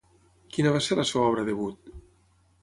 Quina va ser la seva obra debut?